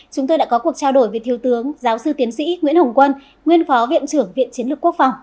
chúng tôi đã có cuộc trao đổi với thiếu tướng giáo sư tiến sĩ nguyễn hồng quân nguyên phó viện trưởng viện chiến lược quốc phòng